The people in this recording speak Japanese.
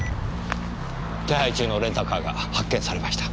手配中のレンタカーが発見されました。